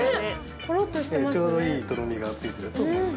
ちょうどいいとろみがついてると思います。